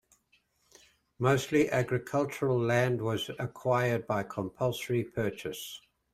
Mostly agricultural land was acquired by compulsory purchase.